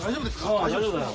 ああ大丈夫だよ。